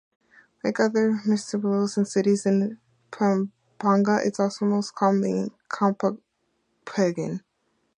Like other municipalities and cities in Pampanga, its people are mostly Kapampangan.